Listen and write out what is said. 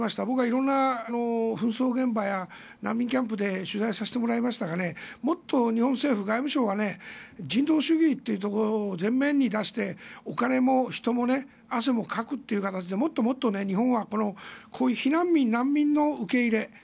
僕は色々な紛争現場や難民キャンプで取材をさせてもらいましたがもっと日本政府、外務省は人道主義というところを前面に出して、お金も人も汗もかくという形でもっともっと日本はこういう避難民、難民の受け入れ